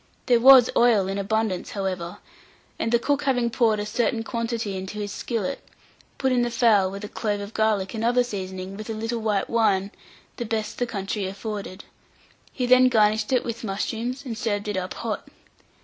There was oil in abundance, however; and the cook having poured a certain quantity into his skillet, put in the fowl, with a clove of garlic and other seasoning, with a little white wine, the best the country afforded; he then garnished it with mushrooms, and served it up hot.